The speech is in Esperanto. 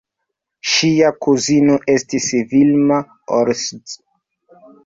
Ŝia kuzino estis Vilma Orosz.